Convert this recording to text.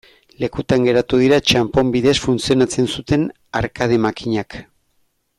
Lekutan geratu dira txanpon bidez funtzionatzen zuten arkade makinak.